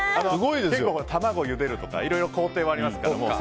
卵をゆでるとかいろいろ工程はありますから。